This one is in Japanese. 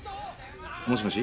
もしもし。